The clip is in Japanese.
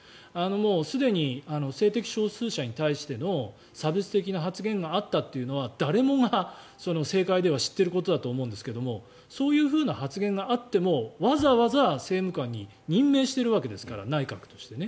すでに性的少数者に対しての差別的な発言があったというのは誰もが、政界では知っていることだと思うんですがそういう発言があってもわざわざ政務官に任命しているわけですから内閣として。